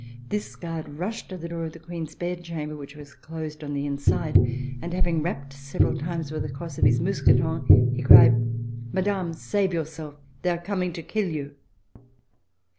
This guard rushed to the door of the Queen's bed chamber, which was closed on the inside, and having rapped several times with the cross of his mousqueton, he cried: "Madame, save yourself! They are coming to kill you!"